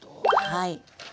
はい。